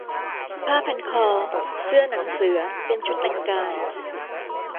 ผ้าพันคอ เสื้อหนังเสือ เป็นชุดแต่งกาย